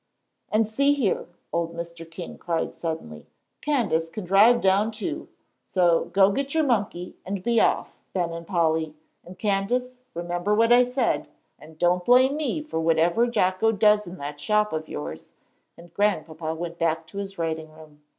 "And see here," old Mr. King cried suddenly, "Candace can drive down too. So go get your monkey, and be off, Ben and Polly! And, Candace, remember what I said, and don't blame me for whatever Jocko does in that shop of yours," and Grandpapa went back to his writing room.